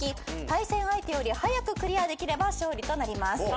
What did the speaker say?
対戦相手より早くクリアできれば勝利となります。